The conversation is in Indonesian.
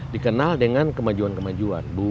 dikenal dengan kemajuan kemajuan